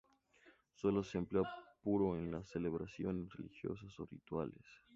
Sólo se empleaba puro en las celebraciones religiosas o rituales.